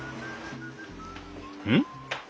うん？